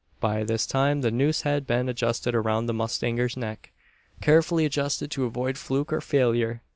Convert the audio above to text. By this time the noose had been adjusted around the mustanger's neck, carefully adjusted to avoid fluke or failure.